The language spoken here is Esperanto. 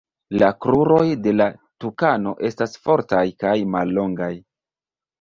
La kruroj de la tukano estas fortaj kaj mallongaj.